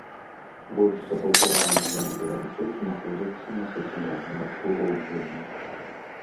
Больш за паўтара мільёна беларусаў знаходзяцца на сацыяльным абслугоўванні.